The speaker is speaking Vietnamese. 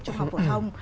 trong học phổ thông